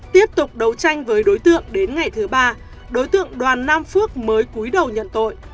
tiếp tục đấu tranh với đối tượng đến ngày thứ ba đối tượng đoàn nam phước mới cuối đầu nhận tội